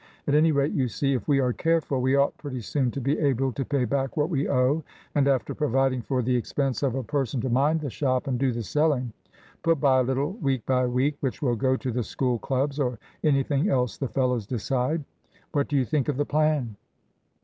At any rate, you see, if we are careful, we ought pretty soon to be able to pay back what we owe, and after providing for the expense of a person to mind the shop and do the selling, put by a little week by week, which will go to the School clubs or anything else the fellows decide. What do you think of the plan?"